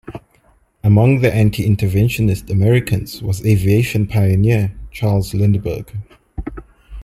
Among the anti-interventionist Americans was aviation pioneer Charles Lindbergh.